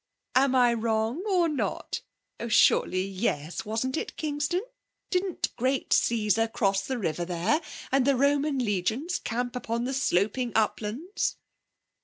Am I wrong or not? Oh, surely yes.... Wasn't it Kingston? Didn't great Caesar cross the river there? And the Roman legions camp upon the sloping uplands?'